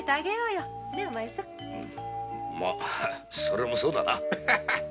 それもそうだな。